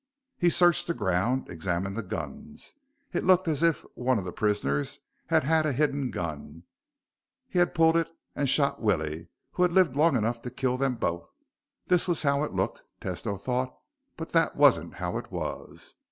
He searched the ground, examined the guns. It looked as if one of the prisoners had had a hidden gun. He had pulled it and shot Willie, who had lived long enough to kill them both. That was how it looked, Tesno thought, but that wasn't how it was.